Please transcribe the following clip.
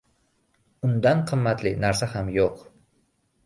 Undan qimmatli narsa ham yo‘q!